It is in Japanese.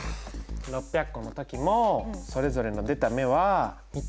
６００個の時もそれぞれの出た目は見て。